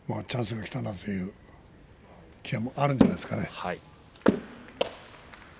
チャンスがきたなという気持ちがあるんじゃないですか。